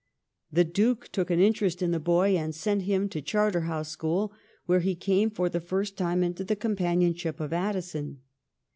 The Duke took an interest in the boy, and sent him to Charter house School, where he came for the first time into the companionship of Addison.